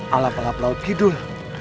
ala pelap pelap hidul